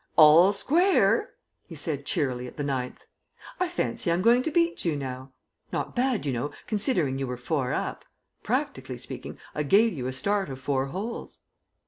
"All square," he said cheerily at the ninth. "I fancy I'm going to beat you now. Not bad, you know, considering you were four up. Practically speaking, I gave you a start of four holes."